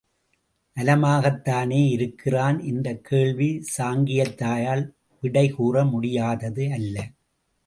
நலமாகத்தானே இருக்கிறான்? இந்தக் கேள்வி சாங்கியத்தாயால் விடை கூற முடியாதது அல்ல.